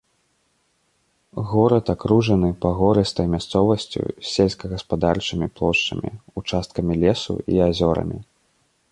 Горад акружаны пагорыстай мясцовасцю з сельскагаспадарчымі плошчамі, участкамі лесу і азёрамі.